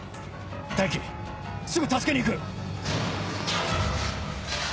大樹すぐ助けに行く！